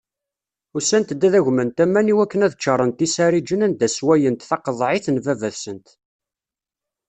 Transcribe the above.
Usant-d ad agment aman iwakken ad ččaṛent isariǧen anda sswayent taqeḍɛit n baba-tsent.